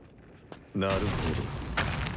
なるほど。